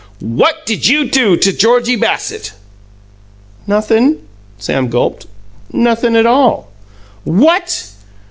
"WHAT DID YOU DO TO GEORGIE BASSETT?" "Nothin'," Sam gulped; "nothin' at all." "What!"